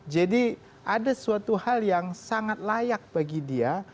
jadi ada suatu hal yang sangat layak bagi dia